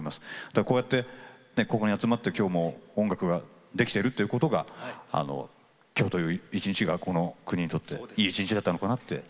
だからこうやってここに集まって今日も音楽ができてるということが今日という一日がこの国にとっていい一日だったのかなって。